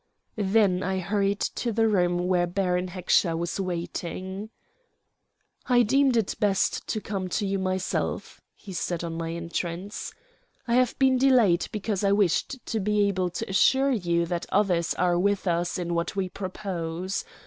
Then I hurried to the room where Baron Heckscher was waiting. "I deemed it best to come to you myself," he said on my entrance. "I have been delayed, because I wished to be able to assure you that others are with us in what we propose.